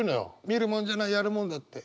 「見るものじゃないやるもんだ」って。